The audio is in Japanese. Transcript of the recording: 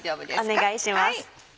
お願いします。